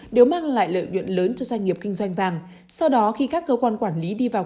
đều mang lại lợi nhuận lớn cho doanh nghiệp kinh doanh vàng sau đó khi các cơ quan quản lý đi vào